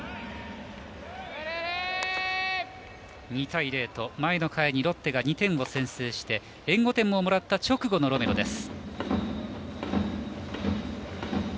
２対０と前の回にロッテが２点を先制して援護点をもらった直後のロメロです。